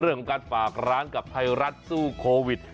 เรื่องของการฝากร้านกับไทยรัฐสู้โควิด